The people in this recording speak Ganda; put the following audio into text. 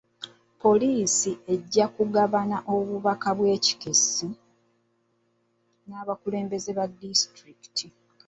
Poliisi ejja kugabana obubaka bw'ekikessi n'abakulembeze ba disitulikiti.